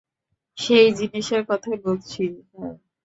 সেই জিনিসের কথাই বলছি, হ্যাঁ।